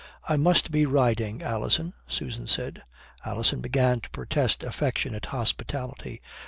"I must be riding, Alison," Susan said. Alison began to protest affectionate hospitality.